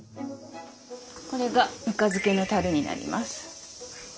これがぬか漬けのたるになります。